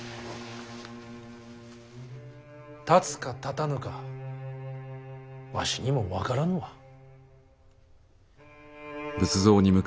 立つか立たぬかわしにも分からぬわ。